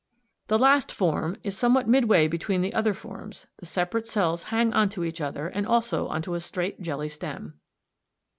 16. The last form, d, is something midway between the other forms, the separate cells hang on to each other and also on to a straight jelly stem.